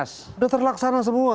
sudah terlaksana semua